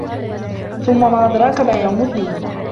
ثُمَّ ما أَدراكَ ما يَومُ الدّينِ